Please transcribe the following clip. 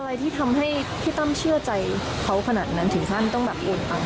อะไรที่ทำให้พี่ตั้มเชื่อใจเขาขนาดนั้นถึงท่านต้องแบบ